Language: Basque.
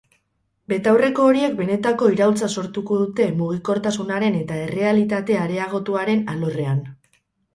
Betaurreko horiek benetako iraultza sortuko dute mugikortasunaren eta errealitate areagotuaren alorrean.